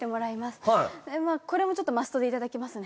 まあこれもちょっとマストで頂きますね。